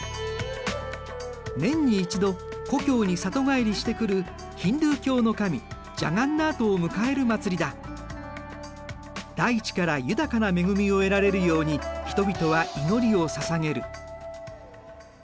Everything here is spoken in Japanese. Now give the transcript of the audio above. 年に一度故郷に里帰りしてくるヒンドゥー教の神大地から豊かな恵みを得られるように人々は祈りをささげる。